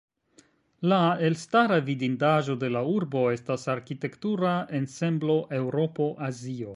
La elstara vidindaĵo de la urbo estas arkitektura ensemblo "Eŭropo-Azio".